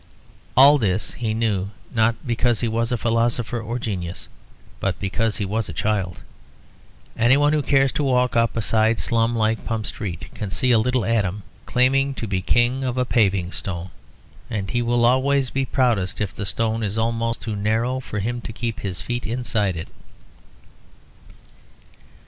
All this he knew, not because he was a philosopher or a genius, but because he was a child. Any one who cares to walk up a side slum like Pump Street, can see a little Adam claiming to be king of a paving stone. And he will always be proudest if the stone is almost too narrow for him to keep his feet inside it.